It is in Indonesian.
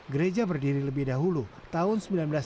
gereja berdiri lebih dahulu tahun seribu sembilan ratus sembilan puluh